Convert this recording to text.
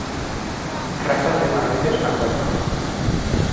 Raza de humanoides acuáticos.